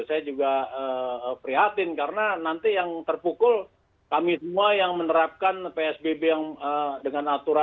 saya juga prihatin karena nanti yang terpukul kami semua yang menerapkan psbb yang dengan aturan